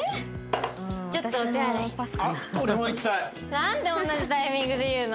なんで同じタイミングで言うの？